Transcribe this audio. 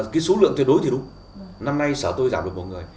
cái số lượng tuyệt đối thì đúng năm nay sở tôi giảm được một người